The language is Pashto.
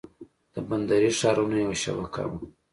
د بندري ښارونو یوه شبکه وه